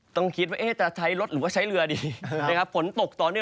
ต้องคิดว่าจะใช้รถหรือว่าใช้เรือดีฝนตกตอนนี้